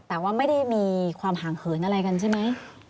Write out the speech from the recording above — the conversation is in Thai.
แต่ว่าไม่ได้มีความห่างเหินอะไรกันใช่ไหม